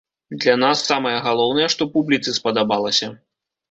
Для нас самае галоўнае, што публіцы спадабалася.